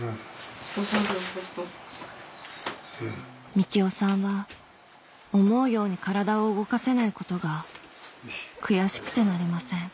幹雄さんは思うように体を動かせないことが悔しくてなりません